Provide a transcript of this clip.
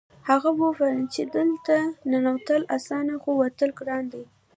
هغه وویل چې دلته ننوتل اسانه خو وتل ګران دي